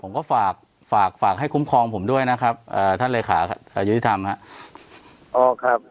ผมก็ฝากฝากให้คุ้มครองผมด้วยนะครับท่านเลขายุทธิธรรมครับ